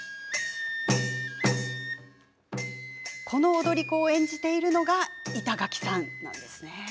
この踊り子を演じているのが板垣さん。